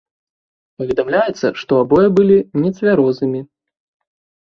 Паведамляецца, што абое былі нецвярозымі.